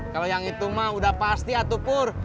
kalau yang itu mah udah pasti ya tuh pur